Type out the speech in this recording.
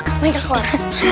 mari mereka keluar